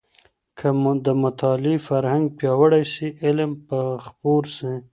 که د مطالعې فرهنګ پياوړی سي علم به خپور سي.